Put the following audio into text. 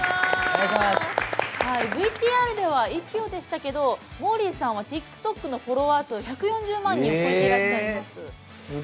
ＶＴＲでは１票でしたけどもーりーさんはＴｉｋＴｏｋのフォロワー数１４０万人を超えていらっしゃいます。